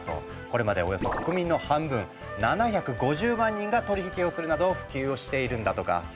これまでおよそ国民の半分７５０万人が取り引きをするなど普及をしているんだとか。